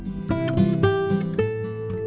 sebenarnya ini adalah karyawannya